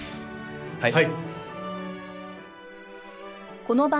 はい！